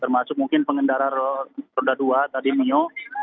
termasuk mungkin pengendara roda dua tadi mio